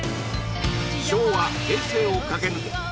昭和平成を駆け抜け